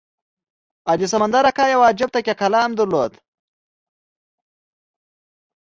حاجي سمندر اکا یو عجیب تکیه کلام درلود.